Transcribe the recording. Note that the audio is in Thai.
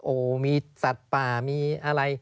โอ้โหมีสัตว์ป่ามีอะไร